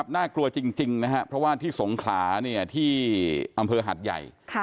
น่ากลัวจริงนะครับเพราะว่าที่สงขลาที่อำเภอหัดใหญ่